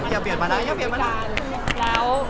อย่าเปลี่ยนมานะอย่าเปลี่ยนมานานแล้ว